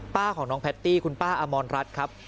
ป้าของน้องแพตตี้คุณป้าอมรรัฐครับ